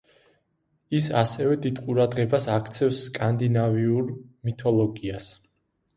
ის ასევე დიდ ყურადღებას აქცევს სკანდინავიურ მითოლოგიას.